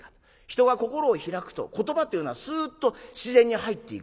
人が心を開くと言葉っていうのはスッと自然に入っていくわけで。